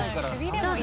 どうぞ。